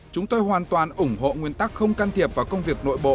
chúng tôi hoàn toàn ủng hộ nguyên tắc không can thiệp vào công việc nội bộ